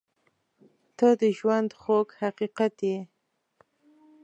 • ته د ژونده خوږ حقیقت یې.